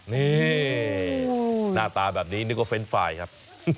นี่หน้าตาแบบนี้นึกว่าเฟรนด์ไฟล์ครับ